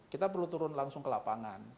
kita perlu turun langsung ke lapangan